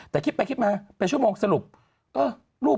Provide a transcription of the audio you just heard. แต่คิดไปคิดมาเป็นชั่วโมงสรุปเออลูก